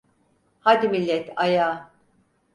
Hadi millet, ayağa!